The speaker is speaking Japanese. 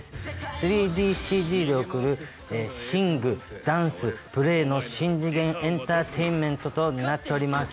３ＤＣＧで送るＳＩＮＧＤＡＮＣＥＰＬＡＹの新次元エンターテインメントとなっております。